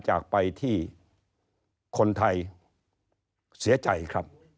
จากไปที่คนไทยเสียใจครับ